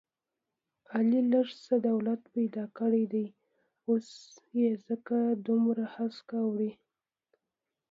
علي لږ څه دولت پیدا کړی دی، اوس یې ځکه دومره هسکه وړوي...